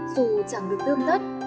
dù chẳng được tương tất